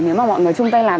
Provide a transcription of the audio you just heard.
nếu mà mọi người chung tay làm